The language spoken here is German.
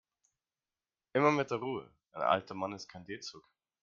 Immer mit der Ruhe, ein alter Mann ist kein D-Zug.